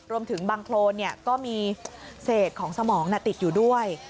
รวมถึงบางโครนก็มีเศษของสมองติดอยู่ด้วย